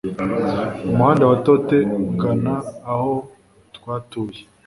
Umuhanda wa tote ugana aho twatuye